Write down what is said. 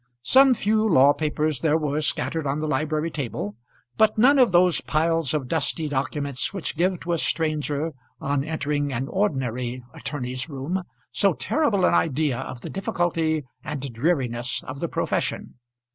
Some few law papers there were scattered on the library table, but none of those piles of dusty documents which give to a stranger, on entering an ordinary attorney's room, so terrible an idea of the difficulty and dreariness of the profession.